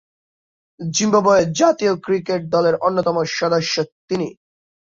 Zimbabwe জাতীয় cricket দলের অন্যতম সদস্য তিনি।